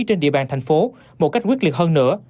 trên địa bàn thành phố một cách quyết liệt hơn nữa